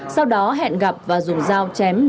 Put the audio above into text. sau đó hẹn gặp và dùng dao chém